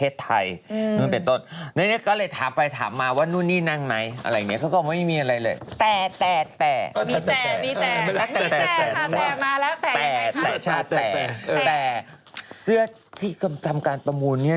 เสื้อที่กำคัดประมูลเนี่ย